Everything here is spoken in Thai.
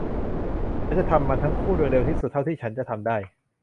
ฉันจะทำมันทั้งคู่โดยเร็วที่สุดเท่าที่ฉันจะทำได้